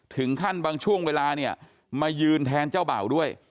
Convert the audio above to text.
ถึงขั้นบางช่วงเวลาเนี่ยมายืนแทนเจ้าเบ่าด้วย